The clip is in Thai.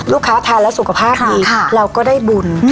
ทานแล้วสุขภาพดีเราก็ได้บุญ